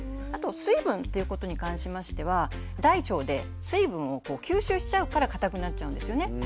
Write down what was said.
あと水分っていうことに関しましては大腸で水分を吸収しちゃうから固くなっちゃうんですよね